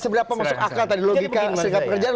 sebenarnya apa maksud akal tadi logika serikat pekerjaan